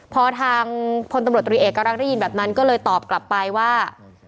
พอทางพลตำรวจตรีเอกรักได้ยินแบบนั้นก็เลยตอบกลับไปว่า